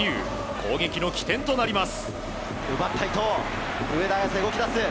攻撃の起点となります。